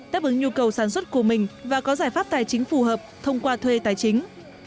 đáp ứng nhu cầu sản xuất của mình và có giải pháp tài chính phù hợp thông qua thuê tài chính